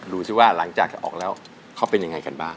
ดูสิว่าหลังจากออกแล้วเขาเป็นยังไงกันบ้าง